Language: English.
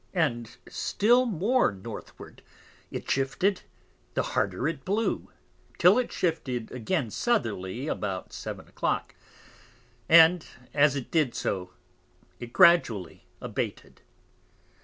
and still the more Northward it shifted, the harder it blew, till it shifted again Southerly about Seven a Clock; and as it did so, it gradually abated.